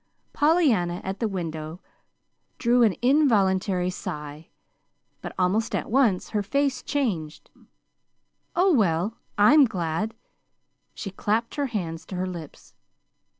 Pollyanna at the window drew an involuntary sigh; but almost at once her face changed. "Oh, well, I'm glad " She clapped her hands to her lips.